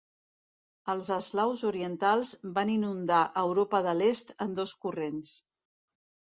Els eslaus orientals van inundar Europa de l'Est en dos corrents.